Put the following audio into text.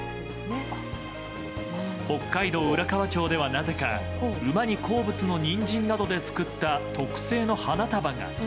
北海道浦河町では、なぜか馬に好物のニンジンなどで作った特製の花束が。